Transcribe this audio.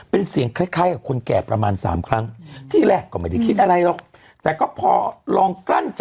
เป็นเสียงคล้ายกับคนแก่ประมาณ๓ครั้ง